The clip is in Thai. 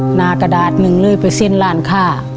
หน้ากระดาษหนึ่งเลยไปเส้นร้านค่า